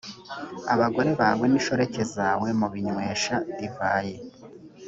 abagore bawe n’ inshoreke zawe mubinywesha divayi